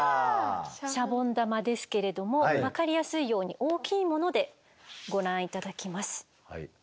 シャボン玉ですけれども分かりやすいように大きいものでご覧頂きます。